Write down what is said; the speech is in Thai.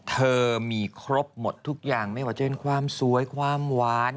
เธอมีครบหมดทุกอย่างไม่ว่าจะเป็นความสวยความหวาน